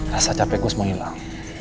rasa capek gue semua hilang